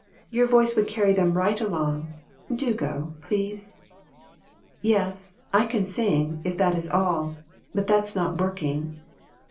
Your voice would carry them right along. Do go, please." "Yes, I can sing, if that is all; but that's not working."